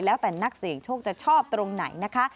แล้วแต่นักเสี่ยงโชคจะชอบตรงไหนนะคะ